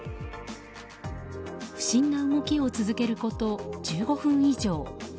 不審な動きを続けること１５分以上。